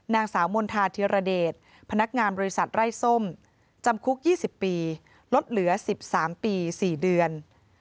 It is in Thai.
นางสาวมณฑาธิรเดชพนักงานบริษัทไร้ส้มจำคุก๒๐ปีลดเหลือ๑๓ปี๔เดือน